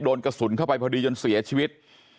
โดนกระสุนเข้าไปพอดีจนเสียชีวิต